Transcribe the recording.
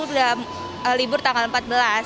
udah libur tanggal empat belas